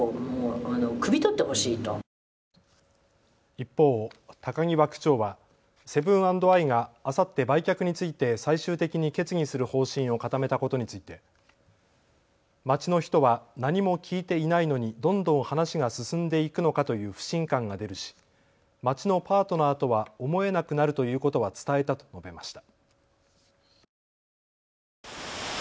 一方、高際区長はセブン＆アイがあさって売却について最終的に決議する方針を固めたことについて街の人は何も聞いていないのにどんどん話が進んでいくのかという不信感が出るし街のパートナーとは思えなくなるということは伝えたと述べました。